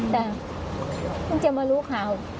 แต่มันจะมารู้ข่าว